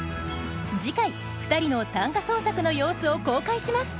次回２人の短歌創作の様子を公開します。